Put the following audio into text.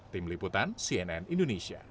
tim liputan cnn indonesia